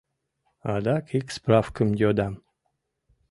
Адак ик справкым йодам...